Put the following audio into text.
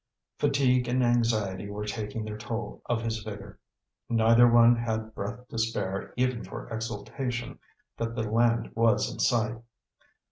Fatigue and anxiety were taking their toll of his vigor. Neither one had breath to spare even for exultation that the land was in sight.